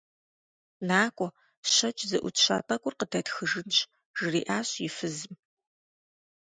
НакӀуэ, щэкӀ зэӀутща тӀэкӀур къыдэтхыжынщ, - жриӏащ и фызым.